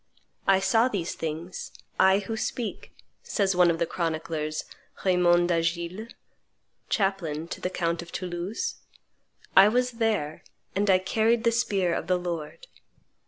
"I saw these things, I who speak," says one of the chroniclers, Raymond d'Agiles, chaplain to the count of Toulouse: "I was there, and I carried the spear of the Lord."